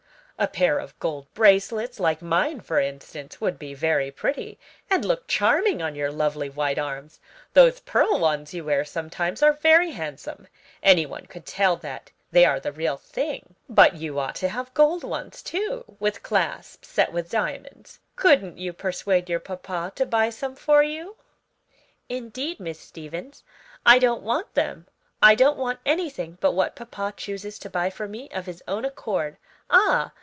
A pair of gold bracelets, like mine for instance, would be very pretty, and look charming on your lovely white arms: those pearl ones you wear sometimes are very handsome any one could tell that they are the real thing but you ought to have gold ones too, with clasps set with diamonds. Couldn't you persuade your papa to buy some for you?" "Indeed, Miss Stevens, I don't want them! I don't want anything but what papa chooses to buy for me of his own accord. Ah!